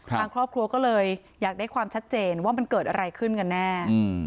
ทางครอบครัวก็เลยอยากได้ความชัดเจนว่ามันเกิดอะไรขึ้นกันแน่